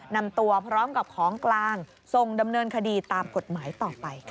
นำตัวพร้อมกับของกลางส่งดำเนินคดีตามกฎหมายต่อไปค่ะ